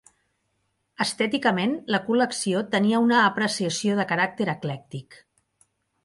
Estèticament la col·lecció tenia una apreciació de caràcter eclèctic.